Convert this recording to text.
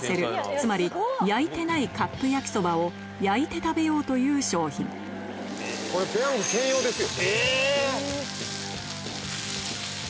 つまり焼いてないカップ焼きそばを焼いて食べようという商品これペヤング専用ですよ。